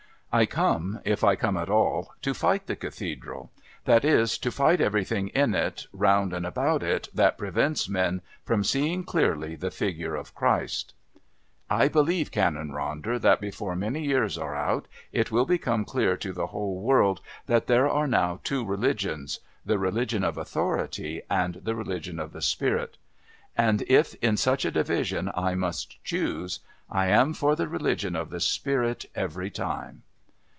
I come, if I come at all, to fight the Cathedral that is to fight everything in it, round and about it, that prevents men from seeing clearly the figure of Christ. "I believe, Canon Ronder, that before many years are out it will become clear to the whole world that there are now two religions the religion of authority, and the religion of the spirit and if in such a division I must choose, I am for the religion of the spirit every time."